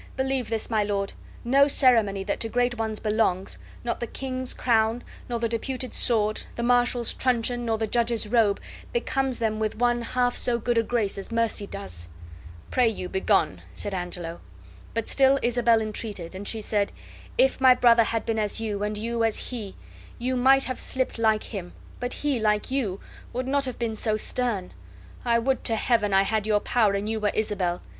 Believe this, my lord, no ceremony that to great ones belongs, not the king's crown, nor the deputed sword, the marshal's truncheon, nor the judge's robe, becomes them with one half so good a grace as mercy does." "Pray you begone," said Angelo. But still Isabel entreated; and she said: "If my brother had been as you, and you as he, you might have slipped like him, but he, like you, would not have been so stern. I would to Heaven I had your power and you were Isabel.